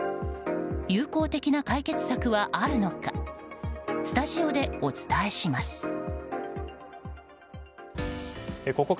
有効的な解決策はあるのか？